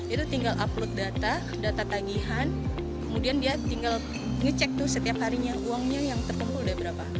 itu tinggal upload data data tagihan kemudian dia tinggal ngecek tuh setiap harinya uangnya yang terkumpul udah berapa